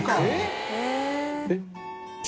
えっ？